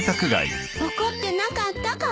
怒ってなかった？